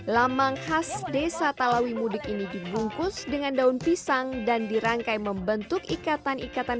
lamang khas desa talawi mudik ini dibungkus dengan daun pisang dan dirangkai membentuk ikatan ikatan